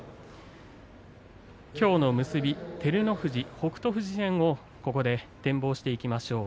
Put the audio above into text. きょうの結び照ノ富士、北勝富士戦を展望していきましょう。